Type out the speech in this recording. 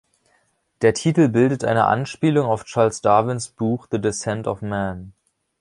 Der Titel bildet eine Anspielung auf Charles Darwins Buch "The Descent of Man".